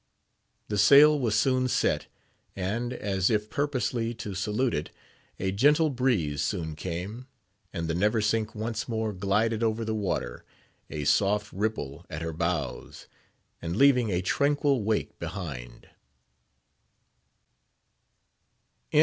The sail was soon set; and, as if purposely to salute it, a gentle breeze soon came, and the Neversink once more glided over the water, a soft ripple at her bows, and leaving a tranquil wake behind.